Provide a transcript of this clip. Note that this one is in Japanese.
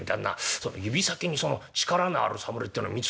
その指先に力のある侍ってのは見つかったんですか？」。